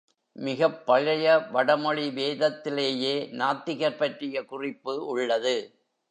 மிகப் பழைய வட மொழி வேதத்திலேயே நாத்திகர் பற்றிய குறிப்பு உள்ளது.